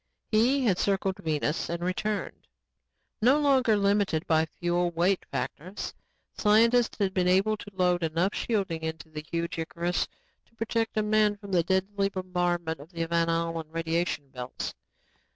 He had circled Venus and returned. No longer limited by fuel weight factors, scientists had been able to load enough shielding into the huge Icarus to protect a man from the deadly bombardment of the Van Allen radiation belts.